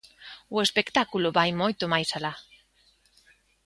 O espectáculo vai moito máis alá.